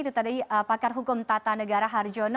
itu tadi pakar hukum tata negara harjono